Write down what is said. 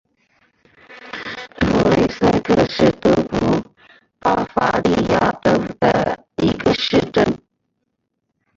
普雷塞克是德国巴伐利亚州的一个市镇。